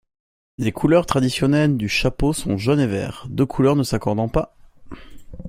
Les couleurs traditionnelles du chapeau sont jaune et vert, deux couleurs ne s'accordant pas.